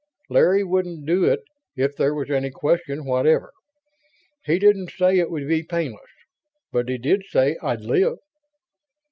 "Larry wouldn't do it if there was any question whatever. He didn't say it would be painless. But he did say I'd live."